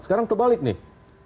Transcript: sekarang terbalik nih